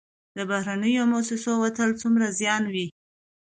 د بهرنیو موسسو وتل څومره زیان و؟